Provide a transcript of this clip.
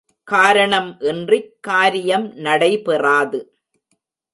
காரணம் இன்றிக் காரியம் நடைபெறாது.